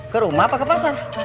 ke rumah apa ke pasar